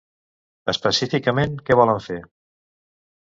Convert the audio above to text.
Específicament, què volen fer?